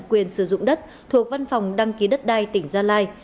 quyền sử dụng đất thuộc văn phòng đăng ký đất đai tỉnh gia lai